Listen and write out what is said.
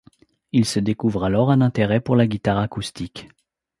Il se découvre alors un intérêt pour la guitare acoustique.